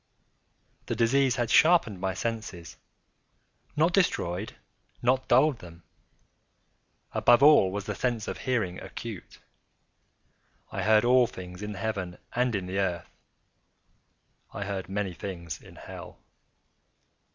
The disease had sharpened my senses—not destroyed—not dulled them. Above all was the sense of hearing acute. I heard all things in the heaven and in the earth. I heard many things in hell.